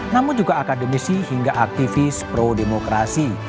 namun juga akademisi hingga aktivis pro demokrasi